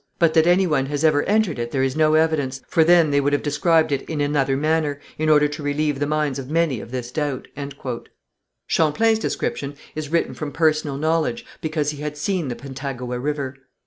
But that any one has ever entered it there is no evidence, for then they would have described it in another manner, in order to relieve the minds of many of this doubt." Champlain's description is written from personal knowledge, because he had seen the Pentagouet River.